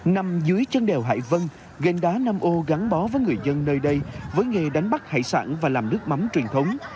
nằm dưới chân đèo hải vân gành đá nam ô gắn bó với người dân nơi đây với nghề đánh bắt hải sản và làm nước mắm truyền thống